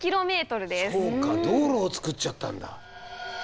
そうか道路を作っちゃったんだ。